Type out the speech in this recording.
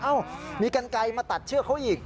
เอ้ามีกันไกลมาตัดเชือกเขาอีก